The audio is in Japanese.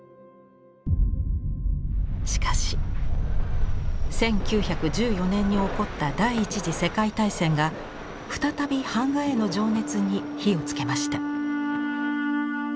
しかし１９１４年に起こった第一次世界大戦が再び版画への情熱に火をつけました。